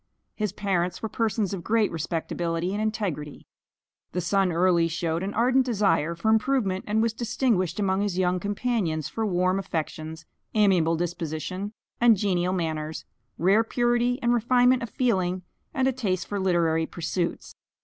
His parents were persons of great respectability and integrity. The son early showed an ardent desire for improvement, and was distinguished among his young companions for warm affections, amiable disposition, and genial manners, rare purity and refinement of feeling, and a taste for literary pursuits.